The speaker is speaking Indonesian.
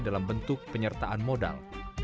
dalam bentuk penyertaan modal